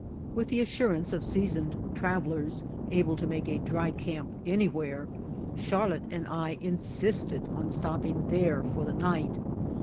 With the assurance of seasoned trav elers able to make a dry camp an5rwhere, Char lotte and I insisted on stopping there for the night.